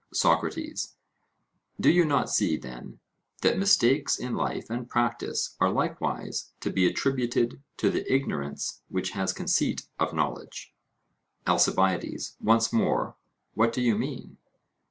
SOCRATES: Do you not see, then, that mistakes in life and practice are likewise to be attributed to the ignorance which has conceit of knowledge? ALCIBIADES: Once more, what do you mean?